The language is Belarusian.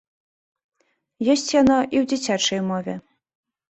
Ёсць яно і ў дзіцячай мове.